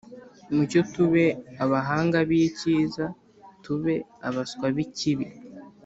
mucyo tube abahanga b’icyiza, tube abaswa b’ikibi